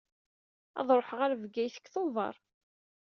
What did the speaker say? Ad ṛuḥeṛɣ ɣer Bgayet deg Tubeṛ.